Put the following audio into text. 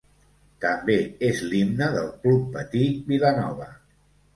També és l'himne del Club Patí Vilanova.